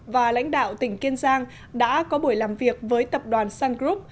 và lãnh đạo tỉnh kiên giang đã có buổi làm việc với tập đoàn sun group